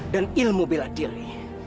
dan ilmu bela diri